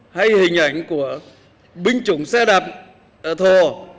hay hình ảnh của binh chủng xe đạp thổ